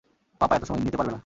পাপা এতো সময় নিতে পারবে না।